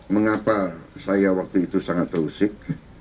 mengapa saya waktu itu sangat terusik